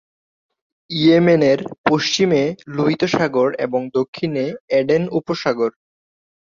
ইয়েমেনের পশ্চিমে লোহিত সাগর এবং দক্ষিণে এডেন উপসাগর।